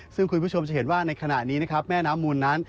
ซึ่งคุณผู้ชมจะเห็นว่าในขณะนี้นะครับแม่น้ำมูลนั้น